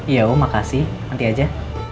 iya oh makasih nanti aja